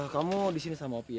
kamu disini sama opi ya